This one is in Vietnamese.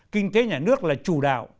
kinh tế nhà nước là chủ đạo